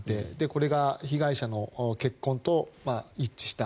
これが被害者の血痕と一致した。